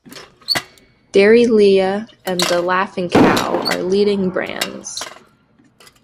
DairyLea and The Laughing Cow are leading brands.